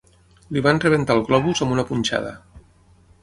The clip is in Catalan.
Li van rebentar el globus amb una punxada.